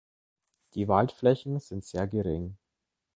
Die Waldflächen sind sehr gering.